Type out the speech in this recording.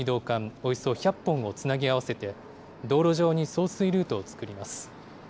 およそ１００本をつなぎ合わせて、道路上に送水ルートを作ります。